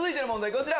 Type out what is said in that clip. こちら。